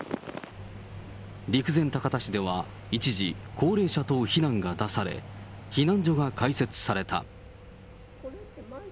陸前高田市では一時、高齢者等避難が出され、避難所が開設された。